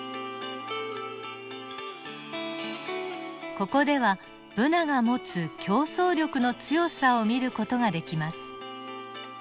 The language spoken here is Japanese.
ここではブナが持つ競争力の強さを見る事ができます。